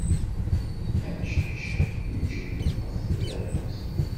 Amcic iǧelleb ɣef tdabut.